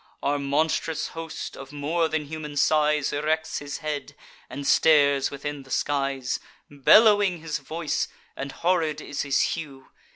Our monstrous host, of more than human size, Erects his head, and stares within the skies; Bellowing his voice, and horrid is his hue.